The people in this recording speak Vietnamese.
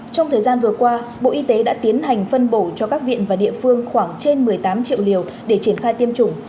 trong thời gian vừa qua bộ y tế đã tiến hành phân bổ cho các viện và địa phương khoảng trên một mươi tám triệu liều để triển khai tiêm chủng